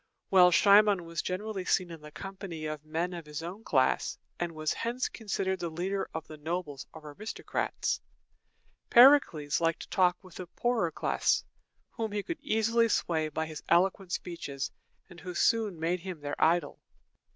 While Cimon was generally seen in the company of men of his own class, and was hence considered the leader of the nobles or aristocrats, Pericles liked to talk with the poorer class, whom he could easily sway by his eloquent speeches, and who soon made him their idol.